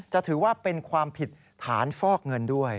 จะถือว่าเป็นความผิดฐานฟอกเงินด้วย